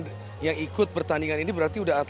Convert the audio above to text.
berarti itu yang ikut pertandingan ini berarti sudah berlaku